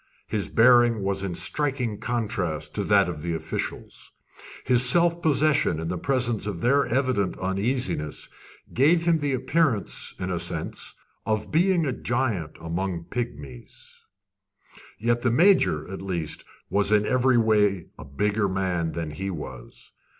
His bearing was in striking contrast to that of the officials. His self possession in the presence of their evident uneasiness gave him the appearance, in a sense, of being a giant among pigmies; yet the Major, at least, was in every way a bigger man than he was.